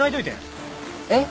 えっ？